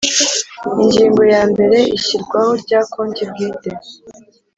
Ingingo ya mbere Ishyirwaho rya konti bwite